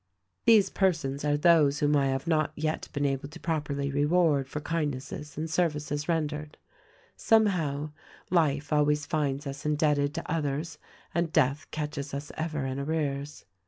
"These persons are those whom I have not yet been able to properly reward for kindnesses and services ren dered. Somehow, life always finds us indebted to others and Death catches us ever in arrears.